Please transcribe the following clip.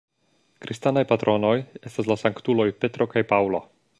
Kristanaj patronoj estas la sanktuloj Petro kaj Paŭlo.